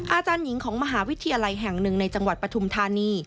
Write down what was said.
อาจารย์หญิงของมหาวิทยาลัยแห่งหนึ่งในจังหวัดปฐุมธานี